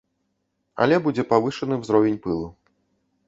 Але будзе павышаны ўзровень пылу.